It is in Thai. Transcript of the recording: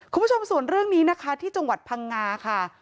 คุณผู้ชมส่วนเรื่องนี้นะคะที่จังหวัดพังงาค่ะ